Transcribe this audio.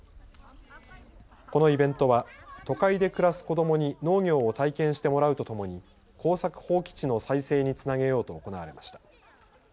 このイベントは都会で暮らす子どもに農業を体験してもらうとともに耕作放棄地の再生につなげようと行われました。